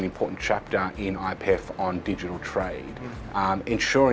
membuat keberadaan pasar karena banyak perjalanan terjadi sekarang